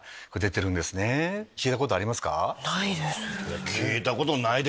ないです。